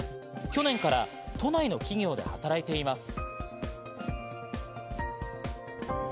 去年から都内の企業で働いています。